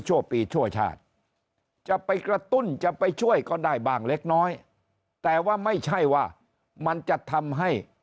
ปีชั่วชาติจะไปกระตุ้นจะไปช่วยก็ได้บ้างเล็กน้อยแต่ว่าไม่ใช่ว่ามันจะทำให้